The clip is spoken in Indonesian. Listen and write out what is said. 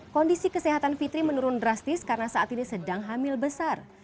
kondisi kesehatan fitri menurun drastis karena saat ini sedang hamil besar